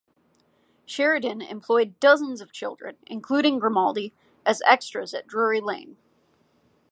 Sheridan employed dozens of children, including Grimaldi, as extras at Drury Lane.